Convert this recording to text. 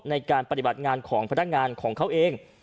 ในการปฏิบัติงานของพนักงานของเขาเอง